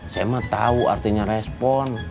saya mah tahu artinya respon